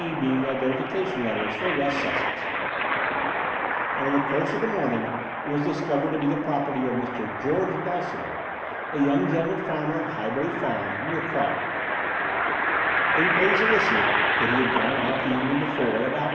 being the identi fication letters for West Sussex : and in the course i6 The Door of the Unreal of the morning it was discovered to be the property of Mr. George Bolsover, a young gentleman far mer, of Heighbury Farm, near Crawley: Inquiries elicited that he had gone out the evening before, about 5.